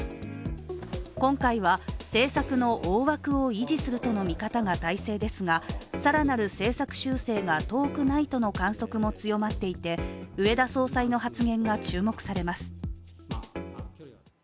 今回は政策の大枠を維持するとの見方が大勢ですが更なる政策修正が遠くないとの観測も強まっていて植田総裁の発言が注目されます。